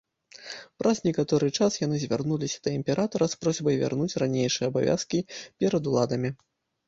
Праз некаторы час яны звярнуліся да імператара з просьбай вярнуць ранейшыя абавязкі перад уладамі.